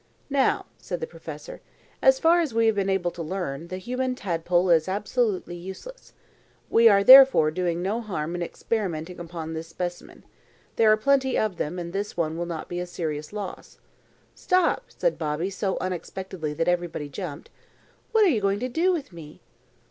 "Now," said the professor, "as far as we have been able to learn, the human tadpole is absolutely useless. We are, therefore, doing no harm in experimenting upon this specimen. There are plenty of them, and this one will not be a serious loss." "Stop!" said Bobby, so unexpectedly that everybody jumped. "What are you going to do with me?"